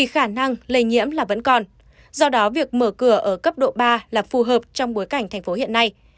khả năng lây nhiễm là vẫn còn do đó việc mở cửa ở cấp độ ba là phù hợp trong bối cảnh thành phố hiện nay